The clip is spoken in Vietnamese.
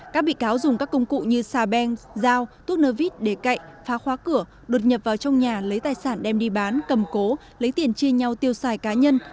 các bị cáo dùng các công cụ như xà beng dao túc nơ vít đề cậy phá khóa cửa đột nhập vào trong nhà lấy tài sản đem đi bán cầm cố lấy tiền chia nhau tiêu xài cá nhân